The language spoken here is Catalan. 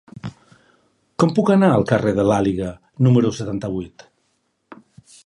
Com puc anar al carrer de l'Àliga número setanta-vuit?